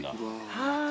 はい。